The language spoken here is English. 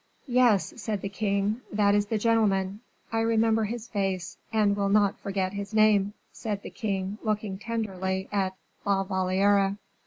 "Yes," said the king, "that is the gentleman; I remember his face, and will not forget his name;" and the king looked tenderly at La Valliere.